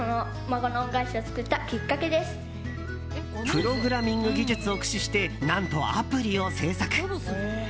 プログラミング技術を駆使して何とアプリを制作。